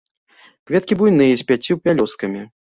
Кветкі буйныя, з пяццю пялёсткамі.